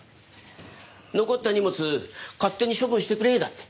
残った荷物勝手に処分してくれだって。